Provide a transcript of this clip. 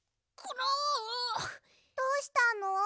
どうしたの？